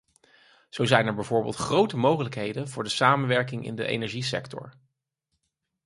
Zo zijn er bijvoorbeeld grote mogelijkheden voor samenwerking in de energiesector.